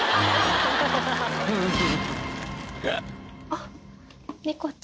あっ。